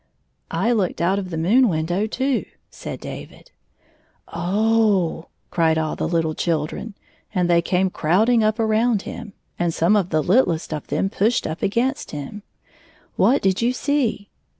" I looked out of the moon window, too," said David. "Oh h h h!" cried all the Httle children, and they came crowding up around him, and some of the littlest of them pushed up against him. "What did you see?"